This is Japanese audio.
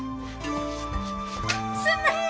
すんまへん！